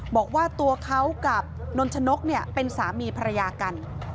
บอกว่าตัวเขากับนนชนกเป็นสามีภรรยากัน